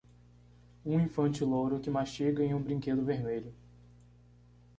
Um infante louro que mastiga em um brinquedo vermelho.